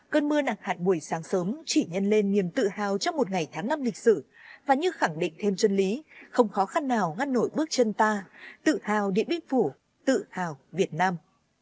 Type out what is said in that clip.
cơn mưa nặng hạt buổi sáng sớm chỉ nhân lên niềm tự hào trong một ngày tháng năm lịch sử và như khẳng định thêm chân lý không khó khăn nào ngăn nổi bước chân ta tự hào điện biên phủ tự hào việt nam